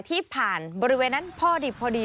ที่ผ่านบริเวณนั้นพอดี